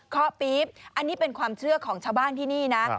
ข้อปี๊บอันนี้เป็นความเชื่อของชาวบ้านที่นี่นะ